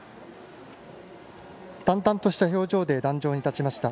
淡々とした表情で壇上に立ちました。